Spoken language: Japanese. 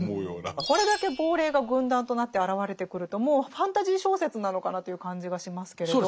これだけ亡霊が軍団となって現れてくるともうファンタジー小説なのかなという感じがしますけれど。